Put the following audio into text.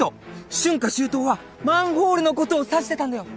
春夏秋冬はマンホールのことを指してたんだよ！